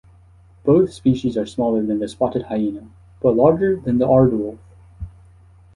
Both species are smaller than the spotted hyena, but larger than the aardwolf.